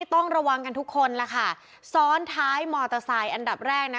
ต้องระวังกันทุกคนล่ะค่ะซ้อนท้ายมอเตอร์ไซค์อันดับแรกนะ